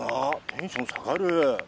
テンション下がる。